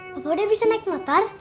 kalau udah bisa naik motor